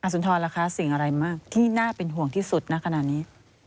สุนทรล่ะคะสิ่งอะไรมากที่น่าเป็นห่วงที่สุดณขณะนี้